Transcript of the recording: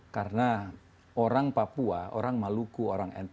karena orang papua orang maluku orang ntt